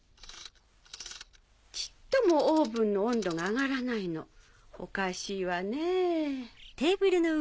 ちっともオーブンの温度が上がらないのおかしいわねぇ。